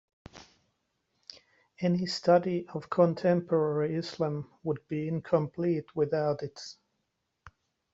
Any study of contemporary Islam would be incomplete without it.